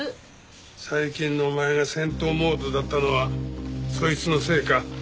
最近のお前が戦闘モードだったのはそいつのせいか。